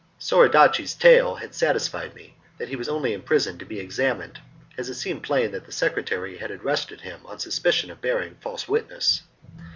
Soradaci's tale had satisfied me that he was only imprisoned to be examined, as it seemed plain that the secretary had arrested him on suspicion of bearing false witness.